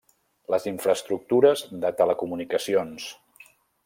Les infraestructures de telecomunicacions.